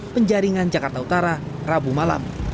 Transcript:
penjaringan jakarta utara rabu malam